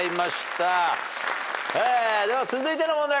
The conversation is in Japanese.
では続いての問題